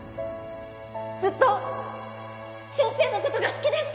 ずっと先生のことが好きでした